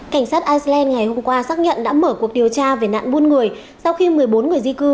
cảnh sát iceland ngày hôm qua xác nhận đã mở cuộc điều tra về nạn buôn người sau khi một mươi bốn người di cư